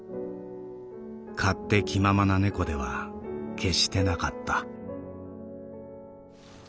勝手気ままな猫では決してなかった」。